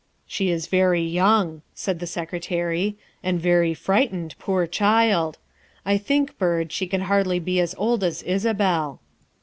" She is very young," said the Secretary, " and very frightened, poor child. I think, Byrd, she can hardly be as old as Isabel."